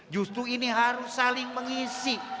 justru ini harus saling mengisi